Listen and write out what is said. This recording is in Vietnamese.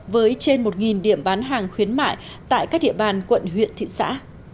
với trên một điểm bán hàng khuyến mại tại các địa bàn quận huyện thị xã